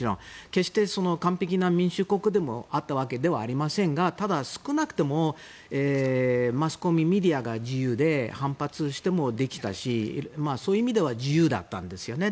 決して完璧な民主国であったわけではありませんがただ、少なくともマスコミ、メディアは自由で反発もできたしそういう意味では自由だったんですよね。